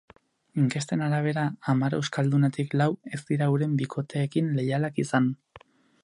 Inkesten arabera, hamar euskaldunetik lau ez dira euren bikoteekin leialak izan.